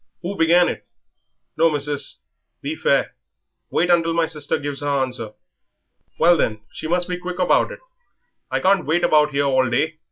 Who began it? No, missis, be fair; wait until my sister gives her answer." "Well, then, she must be quick about it I can't wait about here all day."